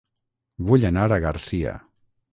Vull anar a Garcia